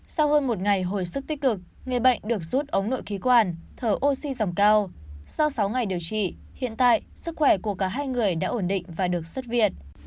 sau hơn một ngày hồi sức tích cực người bệnh được rút ống nội khí quản thở oxy dòng cao sau sáu ngày điều trị hiện tại sức khỏe của cả hai người đã ổn định và được xuất viện